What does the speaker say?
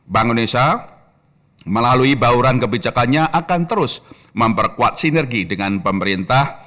bank indonesia melalui bauran kebijakannya akan terus memperkuat sinergi dengan pemerintah